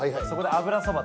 「油そば？」